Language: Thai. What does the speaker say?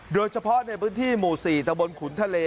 โดยเฉพาะที่มู่ร์๔ตะบลขุนทะเล